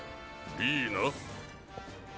いいな？